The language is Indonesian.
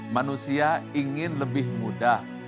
manusia ingin lebih mudah